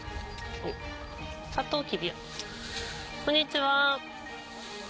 こんにちは。